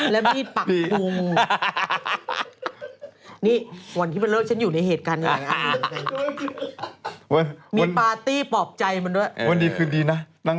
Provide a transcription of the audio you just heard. และบีดปักกรุง